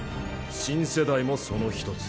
新世代もその一つ。